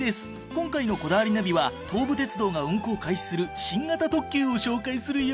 今回の『こだわりナビ』は東武鉄道が運行開始する新型特急を紹介するよ。